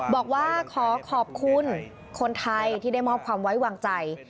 บอกว่าขอขอบคุณคนไทยที่ได้มอบความไว้วางใจ